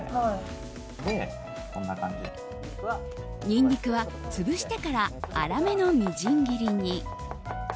ニンニクは潰してから粗めのみじん切りに。